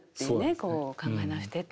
こう考え直してって。